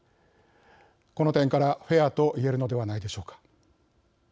この点からフェアと言えるのではないでしょうか。